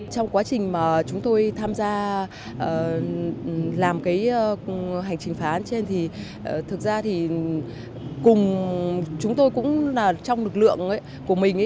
trong quá trình mà chúng tôi tham gia làm cái hành trình phá án trên thì thực ra thì cùng chúng tôi cũng là trong lực lượng của mình